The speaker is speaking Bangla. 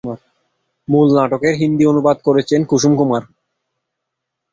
মূল নাটকের হিন্দি অনুবাদ করেছিলেন কুসুম কুমার।